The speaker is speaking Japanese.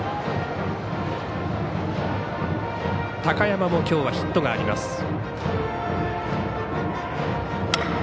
高山もきょうはヒットがあります。